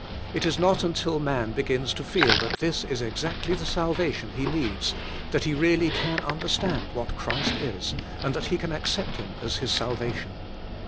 It is not until man begins to feel that this is exactly the salvation he needs, that he really can under stand what Christ is, and that he can accept Him as his salvation.